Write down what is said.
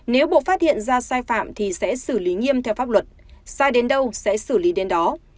nếu bộ phát hiện ra sai phạm thì sẽ xử lý nghiêm theo pháp luật sai đến đâu sẽ xử lý đến đó